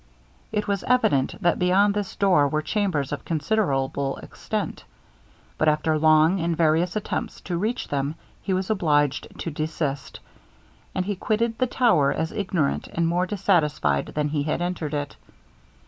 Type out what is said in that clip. It was evident that beyond this door were chambers of considerable extent, but after long and various attempts to reach them, he was obliged to desist, and he quitted the tower as ignorant and more dissatisfied than he had entered it.